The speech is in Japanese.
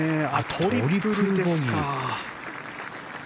トリプルですか。